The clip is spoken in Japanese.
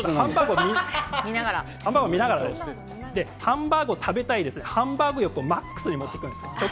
ハンバーグを食べたいというハンバーグ欲をマックスまで持って行きます。